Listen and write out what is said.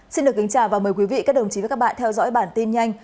xin được kính chào và mời quý vị các đồng chí và các bạn theo dõi bản tin nhanh